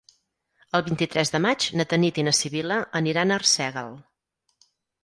El vint-i-tres de maig na Tanit i na Sibil·la aniran a Arsèguel.